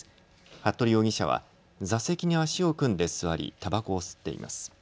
服部容疑者は座席に足を組んで座りたばこを吸っています。